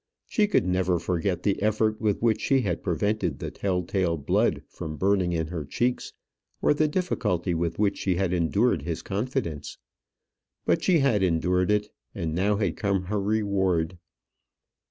She could never forget the effort with which she had prevented the tell tale blood from burning in her cheeks, or the difficulty with which she had endured his confidence. But she had endured it, and now had come her reward.